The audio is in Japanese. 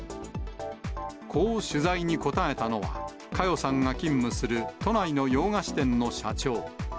こう取材に答えたのは、佳代さんが勤務する都内の洋菓子店の社長。